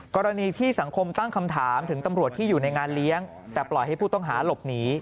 กรณีที่สังคมตั้งคำถามถึงตำรวจที่อยู่ในงานเลี้ยงแต่ปล่อยให้ผู้ต้องหาหลบหนี